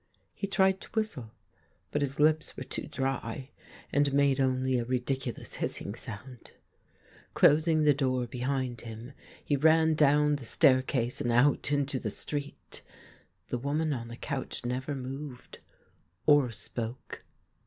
He tried to whistle, but his lips were too dry and made only a ridiculous hissing sound. Closing the door behind him, he ran down the stair case and out into the street. The woman on the couch never moved or spoke.